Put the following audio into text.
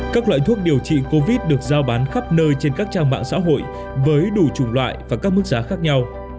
các loại thuốc điều trị covid được giao bán khắp nơi trên các trang mạng xã hội với đủ chủng loại và các mức giá khác nhau